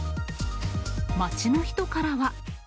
街の人からは。